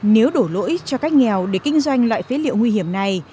nếu đổ lỗi cho cách nghèo để kinh doanh loại phế liệu nguy hiểm này